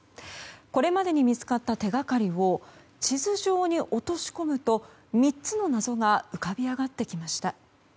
これまでに見つかった手掛かりを地図上に落とし込むと３つの謎が浮かび上がってきました。